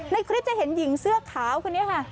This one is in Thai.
ในคลิปจะเห็นหญิงเสื้อขาวคนนี้ค่ะ